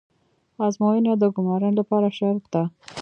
ازموینه د ګمارنې لپاره شرط ده